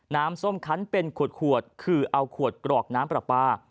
ส้มคันเป็นขวดคือเอาขวดกรอกน้ำปลาปลา